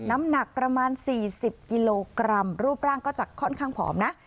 น้ำหนักประมาณ๔๐กิโลกรัมรูปร่างก็จะค่อนข้างผอมนะ